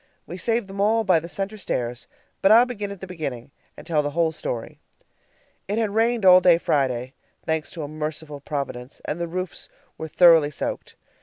We saved them all by the center stairs but I'll begin at the beginning, and tell the whole story. It had rained all day Friday, thanks to a merciful Providence, and the roofs were thoroughly soaked.